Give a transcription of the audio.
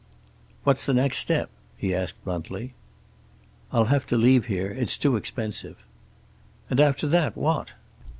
"What's the next step?" he asked bluntly. "I'll have to leave here. It's too expensive." "And after that, what?"